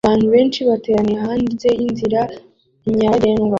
Abantu benshi bateranira hanze yinzira nyabagendwa